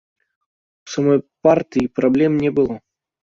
У самой партыі праблем не было.